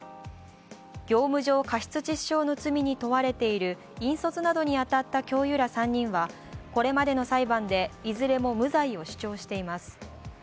業務上過失致死傷の罪に問われている引率などに当たった教諭ら３人は、これまでの裁判でいずれも無罪を主張しています。